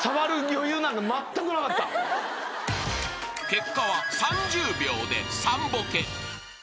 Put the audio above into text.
［結果は３０秒で３ボケ］